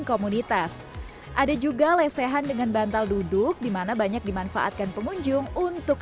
komunitas ada juga lesehan dengan bantal duduk dimana banyak dimanfaatkan pengunjung untuk